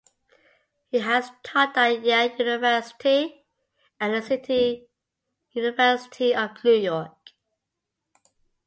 He has taught at Yale University and the City University of New York.